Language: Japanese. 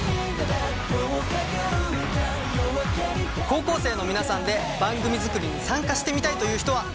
高校生の皆さんで番組作りに参加してみたいという人はいませんか？